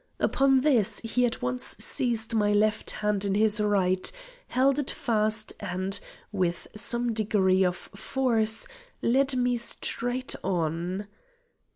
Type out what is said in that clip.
Upon this he at once seized my left hand in his right, held it fast, and, with some degree of force, led me straight on.